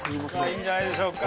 いいんじゃないでしょうか。